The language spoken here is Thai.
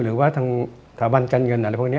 หรือว่าทางสถาบันการเงินอะไรพวกนี้